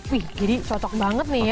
wih jadi cocok banget nih